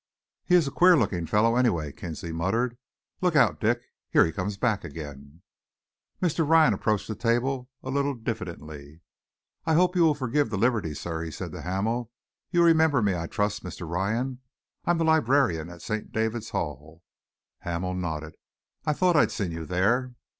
"He is a queer looking fellow, anyway," Kinsley muttered. "Look out, Dick. Here he comes back again." Mr. Ryan approached the table a little diffidently. "I hope you will forgive the liberty, sir," he said to Hamel. "You remember me, I trust Mr. Ryan. I am the librarian at St. David's Hall." Hamel nodded. "I thought I'd seen you there."